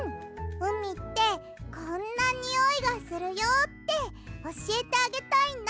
うみってこんなにおいがするよっておしえてあげたいんだ。